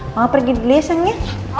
mama pergi dulu ya sang ya